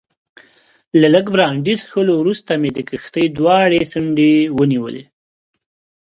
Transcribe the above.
له لږ برانډي څښلو وروسته مې د کښتۍ دواړې څنډې ونیولې.